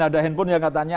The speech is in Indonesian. ada handphone yang katanya